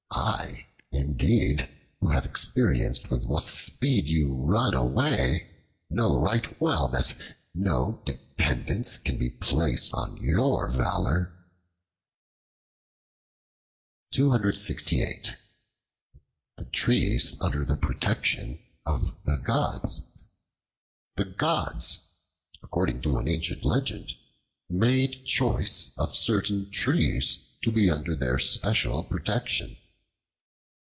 I, indeed, who have experienced with what speed you run away, know right well that no dependence can be placed on your valor." The Trees Under the Protection of the Gods THE GODS, according to an ancient legend, made choice of certain trees to be under their special protection.